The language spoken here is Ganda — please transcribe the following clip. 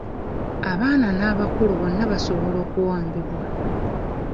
Abaana n'abakulu bonna basobola okuwambibwa.